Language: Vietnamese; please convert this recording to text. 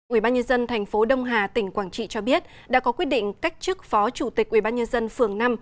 ubnd tp đông hà tỉnh quảng trị cho biết đã có quyết định cách chức phó chủ tịch ubnd phường năm